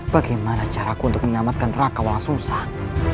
bagaimana caraku untuk menyelamatkan raka walang sungsang